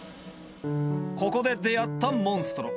ここで出会ったモンストロ。